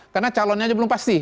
karena calonnya aja belum pasti